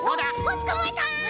つかまえた！